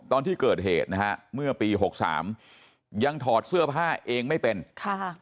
ตอนที่เกิดเหตุนะฮะเมื่อปีหกสามยังถอดเสื้อผ้าเองไม่เป็นค่ะ